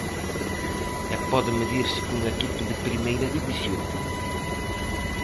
E pode medirse cun equipo de Primeira División.